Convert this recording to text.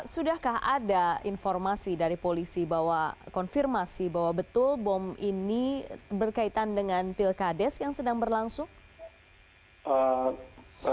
sudahkah ada informasi dari polisi bahwa konfirmasi bahwa betul bom ini berkaitan dengan pilkades yang sedang berlangsung